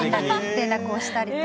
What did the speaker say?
連絡をしたりとか。